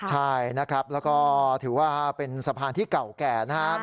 ใช่นะครับแล้วก็ถือว่าเป็นสะพานที่เก่าแก่นะครับ